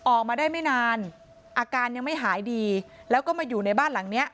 ออกมาได้ไม่นานอาการยังไม่หายดีแล้วก็มาอยู่ในบ้านหลังเนี้ย